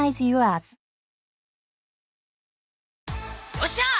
よっしゃあ！